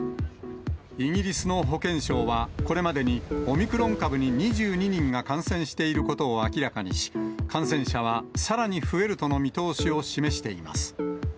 イギリスの保健相は、これまでにオミクロン株に２２人が感染していることを明らかにし、感染者はさらに増えるとの見通しを示しています。